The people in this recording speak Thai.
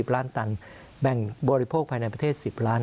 ล้านตันแบ่งบริโภคภายในประเทศ๑๐ล้าน